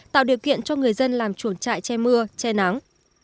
tạo điều kiện cho người dân làm chuồng trại che mưa che nắng